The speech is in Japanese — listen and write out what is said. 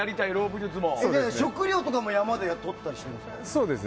食料とかも山でとったりしているんですか？